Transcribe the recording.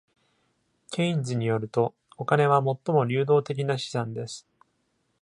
ケインズによると、お金は最も流動的な資産です。